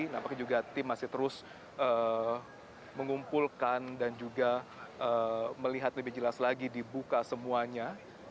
nampaknya juga tim masih terus mengumpulkan dan juga melihat lebih jelas lagi dibuka semuanya